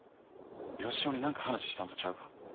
ヨシヲに何か話したんとちゃうか？